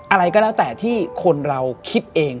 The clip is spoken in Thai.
อะไรก็แล้วแต่ที่คนเราคิดเอง